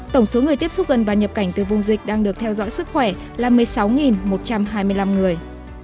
tổng số người tiếp xúc gần và nhập cảnh từ vùng dịch đang được theo dõi sức khỏe là một mươi sáu một trăm hai mươi năm người